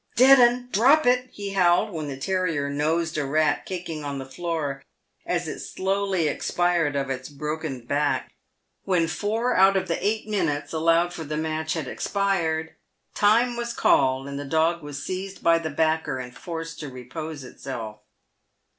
" Dead 'un — drop it !" he howled, when the terrier" nosed" a rat kicking on the floor, as it slowly expired of its broken back. ^ J I s y PAVED WITH GOLD. 159 When four out of the eight minutes allowed for the match had expired, " Time !" was called out, and the dog was seized by the backer, and forced to repose itself.